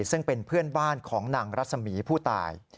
ซึ่งเป็นเพื่อนบ้านของนางรัศมีผู้ตาย